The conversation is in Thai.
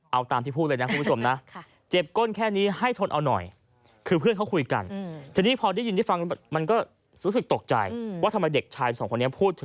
เอาตามที่พูดเลยนะคุณผู้ชมนะค่ะเจ็บก้นแค่นี้ให้ทนเอาหน่อย